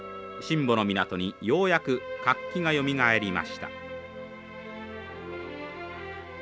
新保の港にようやく活気がよみがえりました。